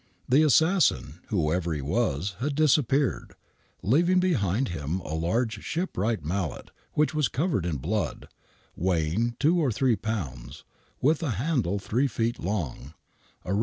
The assassin, whoever he was, had disappeared, leaving behind him a large shipwright mallet, which was covered in blood, weigh ing two or three pounds, with a handle three feet long, a i.